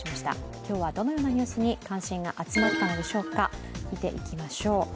今日はどのようなニュースに関心が集まったのでしょうか。